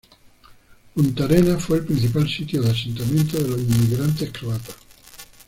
Punta Arenas fue el principal sitio de asentamiento de los inmigrantes croatas.